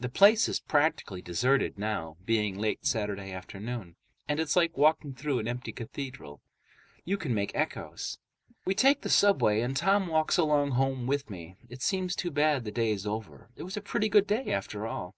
The place is practically deserted now, being late Saturday afternoon, and it's like walking through an empty cathedral. You can make echoes. We take the subway, and Tom walks along home with me. It seems too bad the day's over. It was a pretty good day, after all.